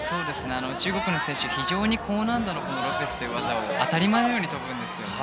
中国の選手、非常に高難度のロペスという技を当たり前のように跳ぶんですよね。